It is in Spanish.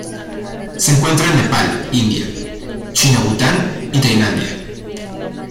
Se encuentra en Nepal, India China Bután y Tailandia.